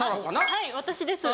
はい私です。